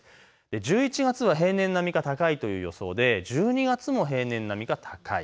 １１月は平年並みか高いという予想で１２月も平年並みか高い。